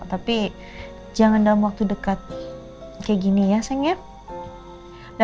tapi jangan dalam waktu dekat kayak gini ya sayangnya